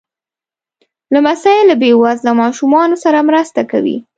لمسی له بې وزله ماشومانو سره مرسته کوي.